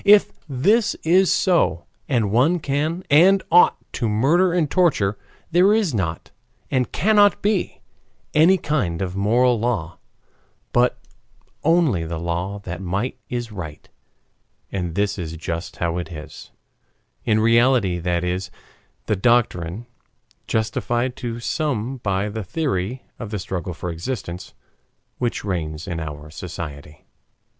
If this is so, and one can and ought to murder and torture, there is not, and cannot be, any kind of moral law, but only the law that might is right. And this is just how it is. In reality that is the doctrine justified to some by the theory of the struggle for existence which reigns in our society.